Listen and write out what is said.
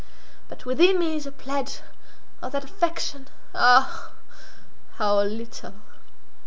But within me is a pledge of that affection—ah, how little!